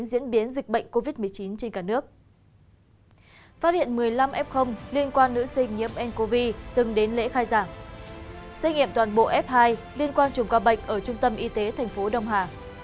xét nghiệm toàn bộ f hai liên quan trùng ca bệnh ở trung tâm y tế tp đông hà